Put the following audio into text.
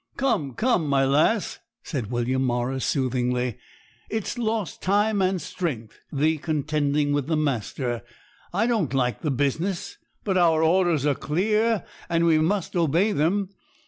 'Come, come, my lass,' said William Morris soothingly; 'it's lost time and strength, thee contending with the master. I don't like the business; but our orders are clear, and we must obey them.